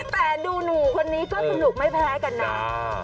แต่ดูหนูคนนี้ก็สนุกไม่แพ้กันนะ